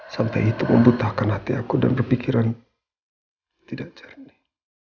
sampai itu membutahkan hati aku dan berpikiran tidak jernih